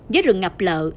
với rừng ngập lợ